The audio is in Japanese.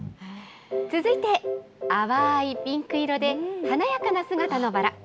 続いて、淡いピンク色で華やかな姿のバラ。